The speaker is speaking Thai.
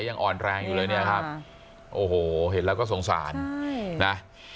ยังอ่อนแรงอยู่เลยเนี่ยครับโอ้โหเห็นแล้วก็สงสารนะ